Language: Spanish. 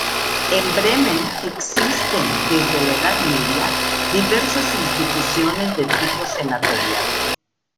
En Bremen existen desde la Edad Media diversas instituciones de tipo senatorial.